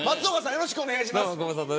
よろしくお願いします。